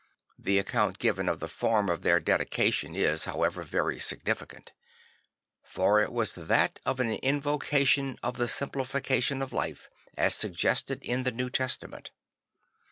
The account given of the form of their dedication is, however, very significant; for it was that of an invocation of the simplification of life as suggested in the New Testament.